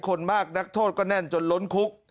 คนมากนักโทษก็แน่นจนล้นคุก